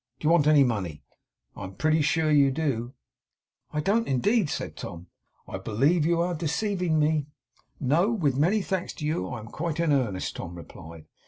Do you want any money? I am pretty sure you do.' 'I don't indeed,' said Tom. 'I believe you are deceiving me.' 'No. With many thanks to you, I am quite in earnest,' Tom replied.